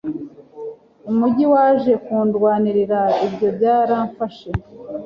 Umujyi waje kundwanira ibyo byaramfashe